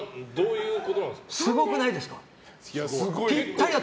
すごくないですか？